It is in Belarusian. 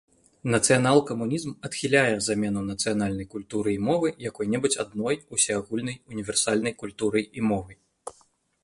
Нацыянал-камунізм адхіляе замену нацыянальнай культуры і мовы якой-небудзь адной усеагульнай універсальнай культурай і мовай.